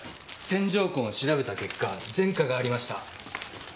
線条痕を調べた結果前科がありました。